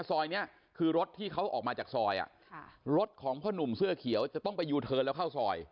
ซอยนี้คือรถที่เขาออกมาจากซอยรถของพ่อหนุ่มเสื้อเขียวจะต้องไปยูเทิร์นแล้วเข้าซอย